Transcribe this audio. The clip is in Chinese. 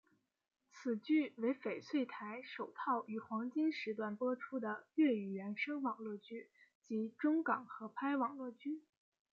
此剧为翡翠台首套于黄金时段播出的粤语原声网络剧及中港合拍网络剧。